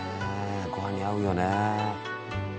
ごはんに合うよね。